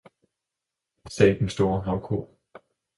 sagde den store havko.